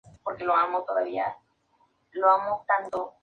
Dirigida por Michael Bay y producida por Jerry Bruckheimer.